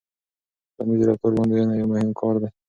د ټولنیز رفتار وړاندوينه یو مهم کار دی.